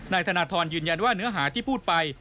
นายธนทรยืนยันว่าเนื้อหาที่พูดไป